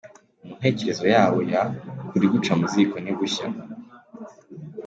Mu ntekerezo yawo ya ‘Ukuri guca mu ziko ntigushya.